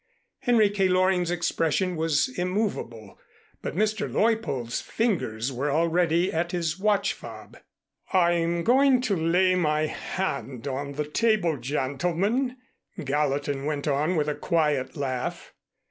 Henry K. Loring's expression was immovable, but Mr. Leuppold's fingers were already at his watch fob. "I'm going to lay my hand on the table, gentlemen," Gallatin went on with a quiet laugh.